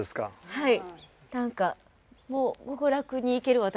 はい。